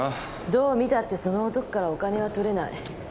どう見たってその男からお金は取れない。